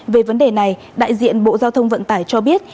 về vấn đề này đại diện bộ giao thông vận tải cho biết